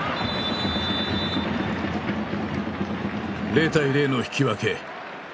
０対０の引き分け。